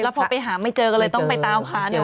แล้วพอไปหาไม่เจอก็เลยต้องไปเต้าค้า